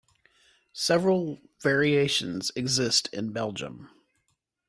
Several variations exist in Belgium.